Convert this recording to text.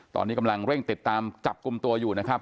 ตอนนี้กำลังเร่งติดตามจับกลุ่มตัวอยู่นะครับ